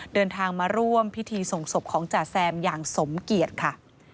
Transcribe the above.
เดินทางมาร่วมพิธีส่งศพของจ่าแซมอย่างสมเกียจค่ะ